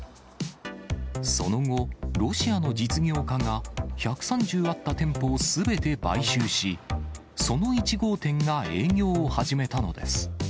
その後、ロシアの実業家が１３０あった店舗をすべて買収し、その１号店が営業を始めたのです。